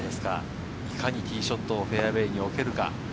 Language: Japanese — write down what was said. いかにティーショットをフェアウエーにおけるか。